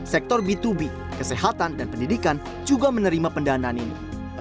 sektor b dua b kesehatan dan pendidikan juga menerima pendanaan ini